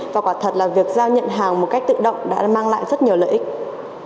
và quả thật là việc giao nhận hàng một cách tự động đã mang lại rất nhiều lợi ích